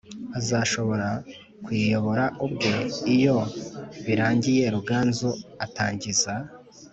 Azashobora kukiyobora ubwe ibyo birangiye ruganzu atangiza